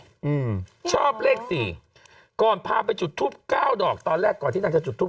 อืมชอบเลขสี่ก่อนพาไปจุดทูปเก้าดอกตอนแรกก่อนที่นางจะจุดทูป